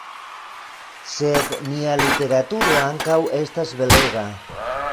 Sed nia literaturo ankaŭ estas belega!